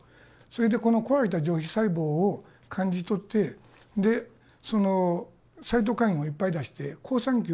それでこの壊れた上皮細胞を感じ取ってでそのサイトカインをいっぱい出して好酸球を呼ぶんですよ。